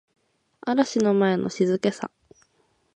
嵐の前の静けさ